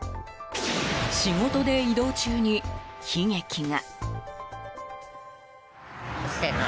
仕事で移動中に悲劇が。